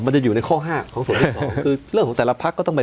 จะอยู่ในข้อห้าของส่วนที่สองคือเรื่องของแต่ละพักก็ต้องไป